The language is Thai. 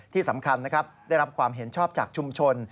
ที่สำคัญนะครับได้รับความเห็นชอบจากชุมชน